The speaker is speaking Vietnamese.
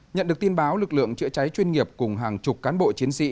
nhận được tin báo lực lượng chữa cháy chuyên nghiệp cùng hàng chục cán bộ chiến sĩ